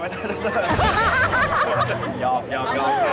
ไม่น้อยแล้วนะอายุออกไม่ได้